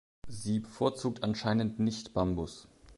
Sie bevorzugt anscheinend nicht Bambus.